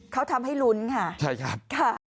เขาทำให้ลุ้นใช่ครับ